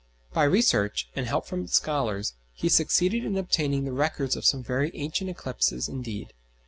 By research, and help from scholars, he succeeded in obtaining the records of some very ancient eclipses indeed.